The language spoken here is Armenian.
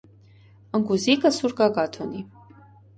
Ընկուզիկը սուր գագաթ ունի։